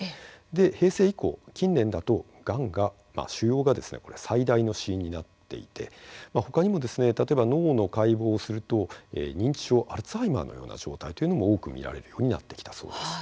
平成以降、近年だと、がんが腫瘍が最大の死因になっていて他にも、例えば脳の解剖をすると認知症、アルツハイマーのような状態というのも多く見られるようになってきたそうです。